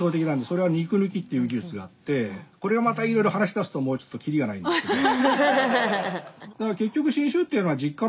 それは肉抜きっていう技術があってこれがまたいろいろ話しだすともうちょっとキリがないんですけどね。